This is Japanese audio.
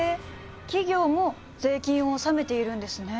企業も税金を納めているんですね。